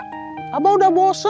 neng abah udah bosen